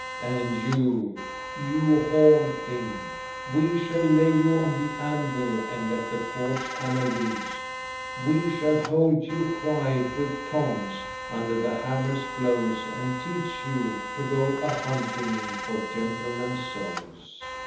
"And you, you horned thing, we shall lay you on the anvil and let the forge hammer loose. We shall hold you quiet with tongs under the hammer's blows and teach you to go a hunting for gentlemen's souls.